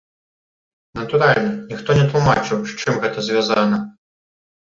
Натуральна, ніхто не тлумачыў, з чым гэта звязана.